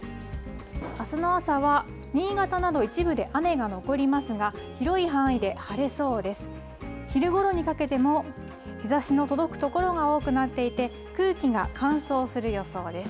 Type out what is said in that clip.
あすの朝は、新潟など一部で雨が残りますが、広い範囲で晴れそうです。